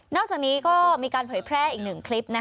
อกจากนี้ก็มีการเผยแพร่อีกหนึ่งคลิป